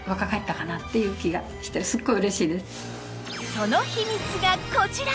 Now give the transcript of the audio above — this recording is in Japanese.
自分でその秘密がこちら！